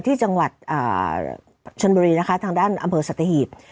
ที่จังหวัดชนบุรีนะคะทางด้านอำเภอสัตหีบ